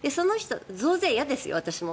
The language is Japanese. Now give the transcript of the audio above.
増税嫌ですよ、私も。